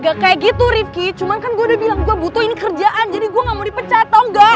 gak kayak gitu rifki cuma kan gua udah bilang gua butuhin kerjaan jadi gua gak mau dipecat tau gak